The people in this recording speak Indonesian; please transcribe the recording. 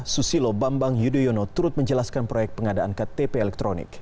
susilo bambang yudhoyono turut menjelaskan proyek pengadaan ktp elektronik